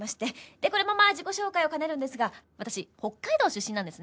でこれもまあ自己紹介を兼ねるんですが私北海道出身なんですね。